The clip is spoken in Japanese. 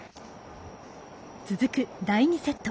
続く第２セット。